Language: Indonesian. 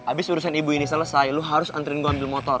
abis urusan ibu ini selesai lo harus antrian gue ambil motor